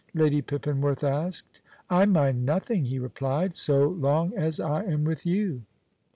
Lady Pippinworth asked. "I mind nothing," he replied, "so long as I am with you."